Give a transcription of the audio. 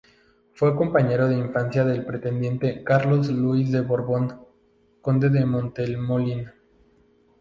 Fue compañero de infancia del pretendiente Carlos Luis de Borbón, conde de Montemolín.